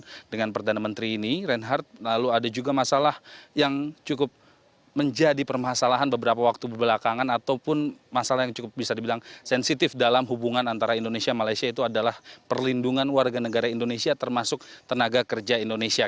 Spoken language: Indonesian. dengan perdana menteri ini reinhardt lalu ada juga masalah yang cukup menjadi permasalahan beberapa waktu belakangan ataupun masalah yang cukup bisa dibilang sensitif dalam hubungan antara indonesia malaysia itu adalah perlindungan warga negara indonesia termasuk tenaga kerja indonesia